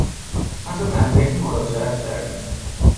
پس از اندکی مراجعت کردیم.